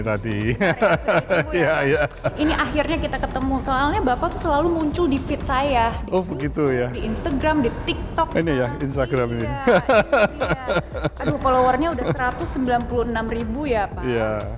aduh followernya sudah satu ratus sembilan puluh enam ribu ya pak